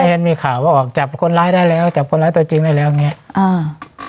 มีข่าวว่าออกจับคนร้ายได้แล้วจับคนร้ายตัวจริงได้แล้วอย่างเงี้ยอ่า